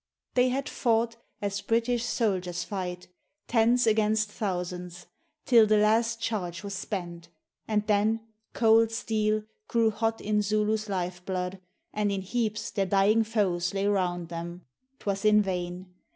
They had fought As British soldiers fight, tens against thousands, Till the last charge was spent; and then, "cold steel" Grew hot in Zulu life blood, and in heaps Their dying foes lay round them. 'Twas in vain!